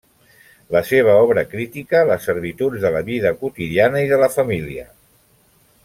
La seva obra critica les servituds de la vida quotidiana i de la família.